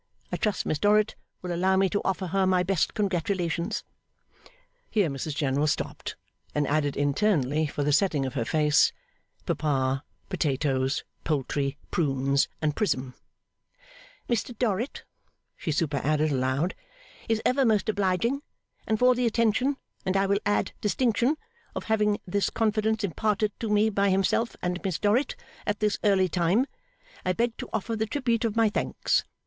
I trust Miss Dorrit will allow me to offer her my best congratulations.' Here Mrs General stopped, and added internally, for the setting of her face, 'Papa, potatoes, poultry, Prunes, and prism.' 'Mr Dorrit,' she superadded aloud, 'is ever most obliging; and for the attention, and I will add distinction, of having this confidence imparted to me by himself and Miss Dorrit at this early time, I beg to offer the tribute of my thanks.